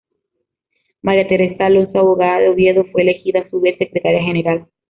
María Teresa Alonso, abogada de Oviedo, fue elegida a su vez secretaria general.